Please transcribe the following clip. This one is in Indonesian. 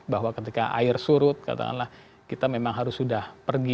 bahwa ketika air surut katakanlah kita memang harus sudah pergi